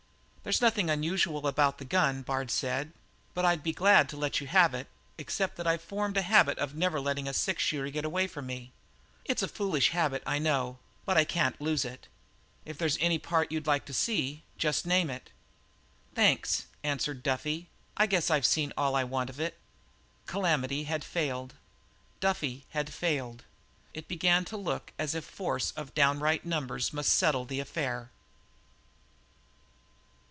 "There's nothing unusual about the gun," said Bard, "but I'd be glad to let you have it except that I've formed a habit of never letting a six shooter get away from me. It's a foolish habit, I know, but I can't lose it. If there's any part you'd like to see, just name it." "Thanks," answered Duffy. "I guess I've seen all I want of it." Calamity had failed; Duffy had failed. It began to look as if force of downright numbers must settle the affair.